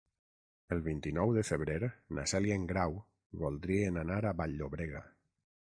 El vint-i-nou de febrer na Cel i en Grau voldrien anar a Vall-llobrega.